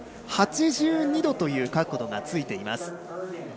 ８２度という角度がついています。